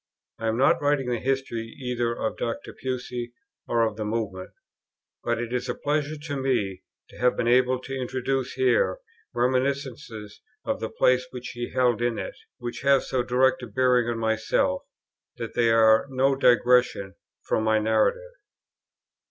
I am not writing the history either of Dr. Pusey or of the Movement; but it is a pleasure to me to have been able to introduce here reminiscences of the place which he held in it, which have so direct a bearing on myself, that they are no digression from my narrative.